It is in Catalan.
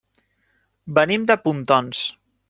Venim de Pontons.